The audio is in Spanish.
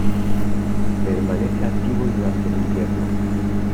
Permanece activo durante el invierno.